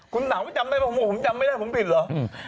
คุณหนังไม่จำได้ผมจำไม่ได้ผมผิดเหรอ